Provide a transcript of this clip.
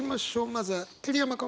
まずは桐山君。